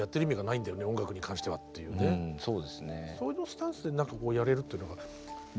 そういうスタンスで何かこうやれるっていうのが。